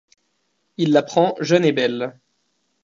Il la prend jeune et belle :